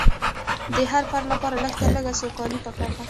د هر فرد لپاره لږ تر لږه سوکالي پکار ده.